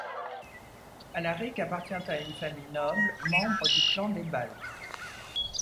Alaric appartient à une famille noble, membre du clan des Balthes.